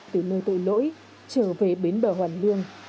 từ nơi tội lỗi trở về bến bờ hoàn lương